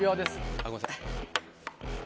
あっごめんなさい。